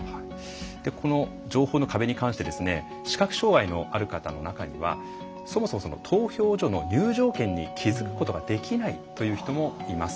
この情報の壁に関して視覚障害のある方の中にはそもそも投票所の入場券に気付くことができないという人もいます。